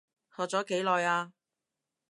學咗幾耐啊？